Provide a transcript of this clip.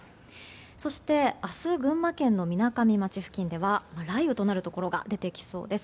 そして、明日群馬県のみなかみ町付近では雷雨となるところが出てきそうです。